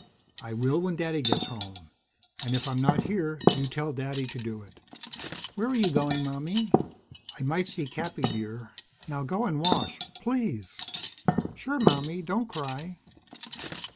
"I will when Daddy gets home. And if I'm not here, you tell Daddy to do it." "Where are you going, Mommie?" "I might see Cappy, dear. Now go and wash, please!" "Sure, Mommie. Don't cry."